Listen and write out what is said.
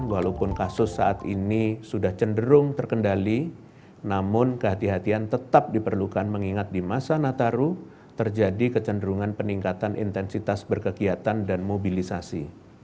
walaupun kasus saat ini sudah cenderung terkendali namun kehatian tetap diperlukan mengingat di masa nataru terjadi kecenderungan peningkatan intensitas berkegiatan dan mobilisasi